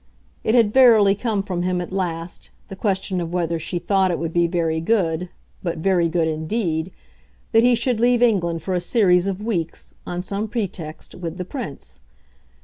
It had verily come from him at last, the question of whether she thought it would be very good but very good indeed that he should leave England for a series of weeks, on some pretext, with the Prince.